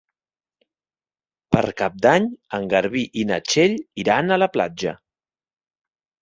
Per Cap d'Any en Garbí i na Txell iran a la platja.